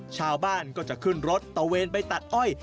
ชาวบ้านก็จะขึ้นรถตะเวนไปตัดอ้อย